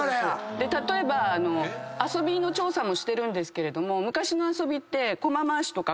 で例えば遊びの調査もしてるんですけれども昔の遊びってコマ回しとか